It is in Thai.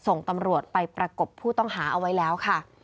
ส่งตำรวจไปประกบผู้ต้องหาเอาไว้แล้วค่ะ